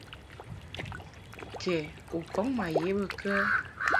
Ke u kɔŋ ma ye bə kə ?